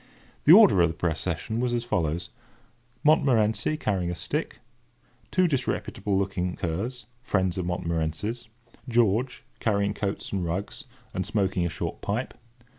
The order of the procession was as follows:— Montmorency, carrying a stick. Two disreputable looking curs, friends of Montmorency's. George, carrying coats and rugs, and smoking a short pipe.